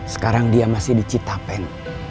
sekarang dia masih di citapen